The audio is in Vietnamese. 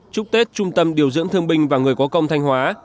chúc tết trung tâm điều dưỡng thương binh và người có công thanh hóa